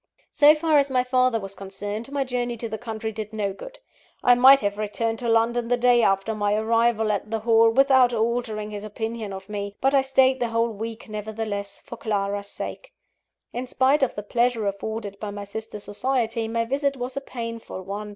So far as my father was concerned, my journey to the country did no good. I might have returned to London the day after my arrival at the Hall, without altering his opinion of me but I stayed the whole week nevertheless, for Clara's sake. In spite of the pleasure afforded by my sister's society, my visit was a painful one.